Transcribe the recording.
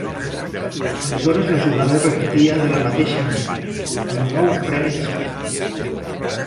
Aleshores la jugada es repetia de la mateixa manera, amb un nou premi descrit.